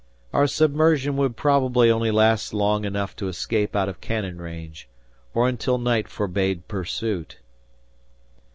Our submersion would probably only last long enough to escape out of cannon range, or until night forbade pursuit.